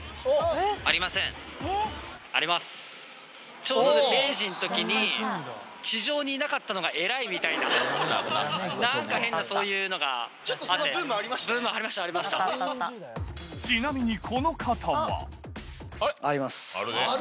ちょうど０時のときに、地上にいなかったのが偉いみたいな、ちょっとそのブームありましちなみにこの方は。あります。